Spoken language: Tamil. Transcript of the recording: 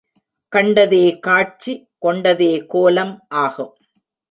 கண்டதே காட்சி கொண்டதே கோலம் ஆகும்.